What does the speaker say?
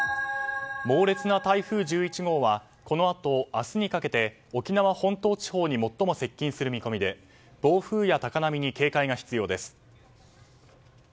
猛烈な台風１１号はこのあと明日にかけて沖縄本島地方に最も接近する見通しで暴風や高波に警戒が必要です。